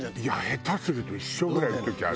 下手すると１升ぐらいの時ある。